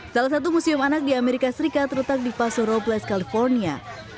salah satu museum anak di amerika serikat terletak di paso robless california